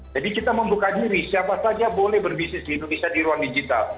jadi kita membuka diri siapa saja boleh berbisnis di indonesia di ruang digital